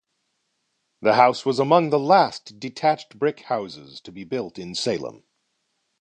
The house was among the last detached brick houses to be built in Salem.